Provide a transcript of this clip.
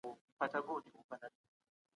هغه د مشرانو له غبرګون څخه هېڅ وېره نه درلوده.